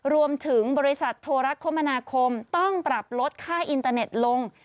รวมถึงบริษัทโทรคมนาคมต้องปรับลดค่าอินเตอร์เน็ตลง